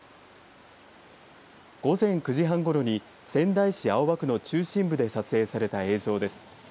午前９時半ごろに仙台市青葉区の中心部で撮影された映像です。